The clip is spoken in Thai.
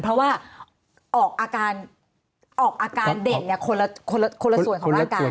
เพราะว่าออกอาการเด็กคนละส่วนของร่างการ